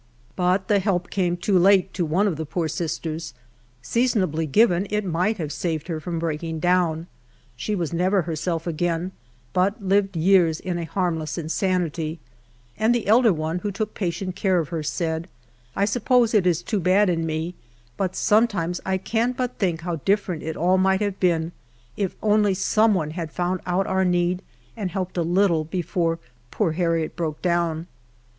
But the help came too late to one of tiie poor sisters; seasonably given, it might have saved her from breaking dc>wn. She was never herself again, but lived years in a harmless insanity, and the elder one, who took patient care of her, said, '* 1 suppose it is too bad in me, but sometimes I can but think how different it all miiiht have been if onlv some one had found out our need and helped a little before poor Harriet broke down."